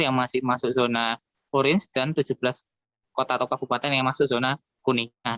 yang masih masuk zona orange dan tujuh belas kota atau kabupaten yang masuk zona kuning